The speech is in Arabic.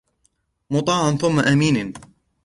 مُطَاعٍ ثَمَّ أَمِينٍ